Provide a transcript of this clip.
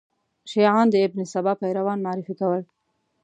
شیعیان د ابن سبا پیروان معرفي کول.